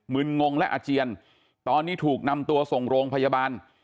ึนงงและอาเจียนตอนนี้ถูกนำตัวส่งโรงพยาบาล